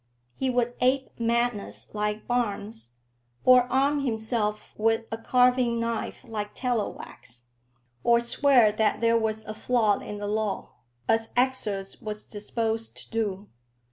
He would ape madness like Barnes, or arm himself with a carving knife like Tallowax, or swear that there was a flaw in the law, as Exors was disposed to do.